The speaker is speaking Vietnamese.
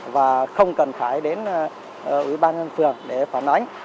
và không cần phải đến ủy ban nhân phường để phản ánh